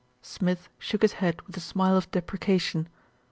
Smith shook his head with a smile of deprecation.